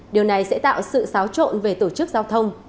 điều này sẽ tạo sự xáo trộn về tổ chức giao thông